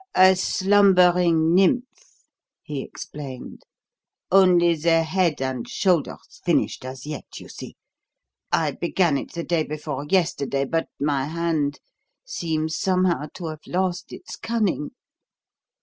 "A slumbering nymph," he explained. "Only the head and shoulders finished as yet, you see. I began it the day before, yesterday, but my hand seems somehow to have lost its cunning.